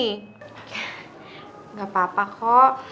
ya gak papa kok